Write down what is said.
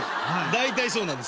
大体そうなんですよ。